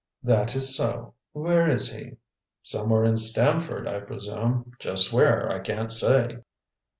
"That is so. Where is he?" "Somewhere in Stamford, I presume. Just where, I can't say."